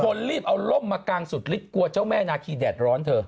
คนรีบเอาร่มมากางสุดฤทธิกลัวเจ้าแม่นาคีแดดร้อนเธอ